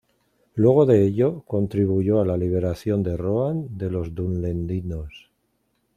Luego de ello, contribuyó a la liberación de Rohan de los dunlendinos.